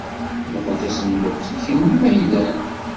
Muqel tasenduqt-ik n yimaylen.